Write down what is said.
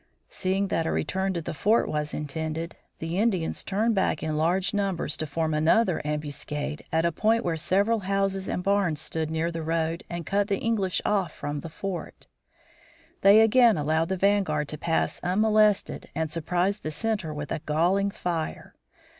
Seeing that a return to the fort was intended, the Indians turned back in large numbers to form another ambuscade at a point where several houses and barns stood near the road and cut the English off from the fort. They again allowed the vanguard to pass unmolested and surprised the center with a galling fire.